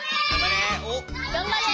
がんばれ！